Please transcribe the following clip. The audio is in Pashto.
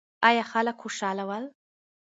ایا خلک خوشاله ول؟